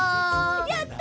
やった！